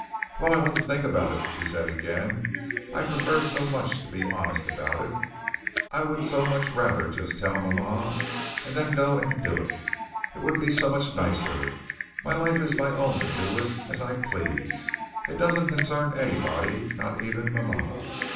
"Well, I want to think about it," she said again. "I prefer so much to be honest about it. I would so much rather just tell mama, and then go and do it. It would be so much nicer. My life is my own to do with as I please. It doesn't concern anybody, not even mama.